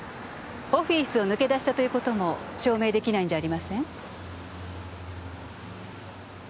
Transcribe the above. オフィスを抜け出したという事も証明できないんじゃありません？